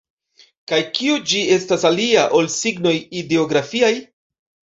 Kaj kio ĝi estas alia, ol signoj ideografiaj?